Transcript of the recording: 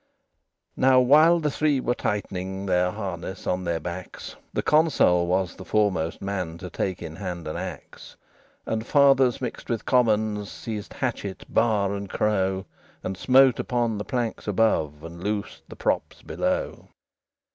XXXIV Now while the Three were tightening Their harness on their backs, The Consul was the foremost man To take in hand an axe: And Fathers mixed with Commons Seized hatchet, bar, and crow, And smote upon the planks above, And loosed the props below.